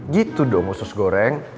gitu dong usus goreng